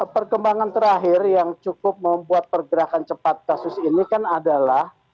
perkembangan terakhir yang cukup membuat pergerakan cepat kasus ini kan adalah